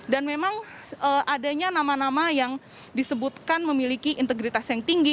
dan memang adanya nama nama yang disebutkan memiliki integritas yang tinggi